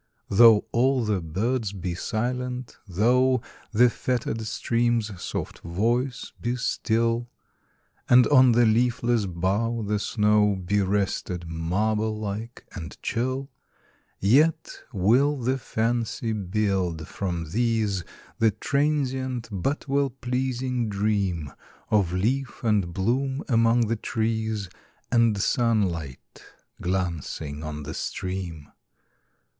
Though all the birds be silent,—thoughThe fettered stream's soft voice be still, And on the leafless bough the snowBe rested, marble like and chill,—Yet will the fancy build, from these, The transient but well pleasing dreamOf leaf and bloom among the trees, And sunlight glancing on the stream.